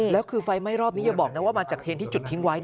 แล้วคือไฟไหม้รอบนี้อย่าบอกนะว่ามาจากเทนที่จุดทิ้งไว้